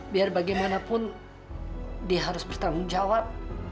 biar bagaimanapun dia harus bertanggung jawab